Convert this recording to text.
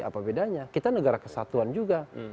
apa bedanya kita negara kesatuan juga